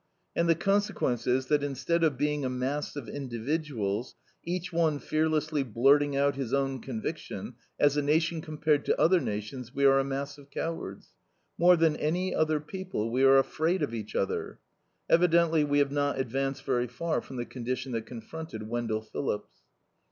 And the consequence is that instead of being a mass of individuals, each one fearlessly blurting out his own conviction, as a nation compared to other nations we are a mass of cowards. More than any other people we are afraid of each other." Evidently we have not advanced very far from the condition that confronted Wendell Phillips.